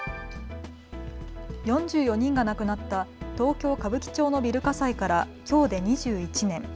４４人が亡くなった東京歌舞伎町のビル火災からきょうで２１年。